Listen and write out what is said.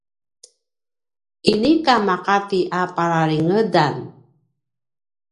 inika maqati a palalingedan